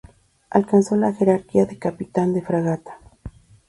Alcanzó la jerarquía de Capitán de Fragata.